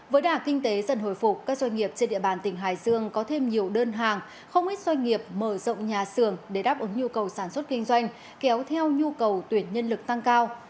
với đả kinh tế dần hồi phục các doanh nghiệp trên địa bàn tỉnh hải dương có thêm nhiều đơn hàng không ít doanh nghiệp mở rộng nhà xưởng để đáp ứng nhu cầu sản xuất kinh doanh kéo theo nhu cầu tuyển nhân lực tăng cao